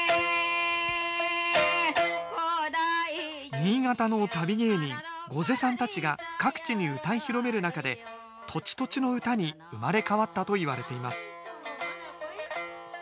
新潟の旅芸人瞽女さんたちが各地にうたい広める中で土地土地の唄に生まれ変わったといわれています